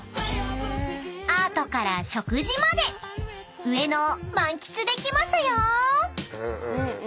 ［アートから食事まで上野を満喫できますよ］